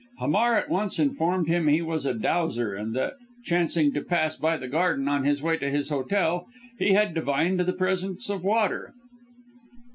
Hamar at once informed him he was a dowser, and that, chancing to pass by the garden on his way to his hotel, he had divined the presence of water.